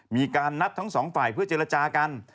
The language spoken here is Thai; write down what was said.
มีการนัดทั้งสองฝ่ายเพื่อเจรจากัน